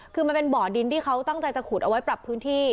คือมันเป็นบ่อดินที่เขาตั้งใจจะขุดเอาไว้ปรับพื้นที่